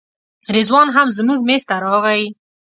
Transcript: رضوان هم زموږ میز ته راغی.